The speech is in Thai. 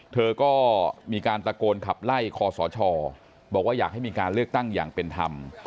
เธอก็มีการตะโกนขับไล่คอสชบอกว่าอยากให้มีการเลือกตั้งอย่างเป็นธรรม